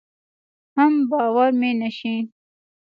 حم باور مې نشي.